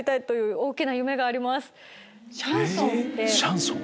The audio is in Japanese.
シャンソン？